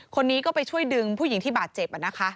คนนี้ก็ไปช่วยดึงผู้หญิงที่บาดเจ็บ